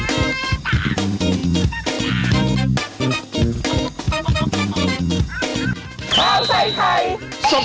พรุ่งนี้ป่อยครับ